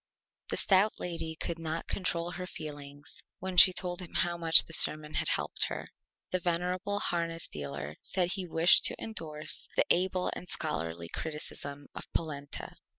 The Stout Lady could not control her Feelings when she told how much the Sermon had helped her. The venerable Harness Dealer said he wished to indorse the Able and Scholarly Criticism of Polenta.